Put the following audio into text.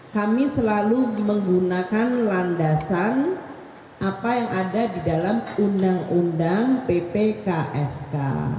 kami selalu menggunakan landasan apa yang ada di dalam undang undang ppksk